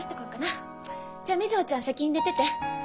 じゃあ瑞穂ちゃん先に寝てて。